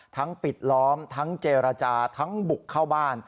ปิดล้อมทั้งเจรจาทั้งบุกเข้าบ้าน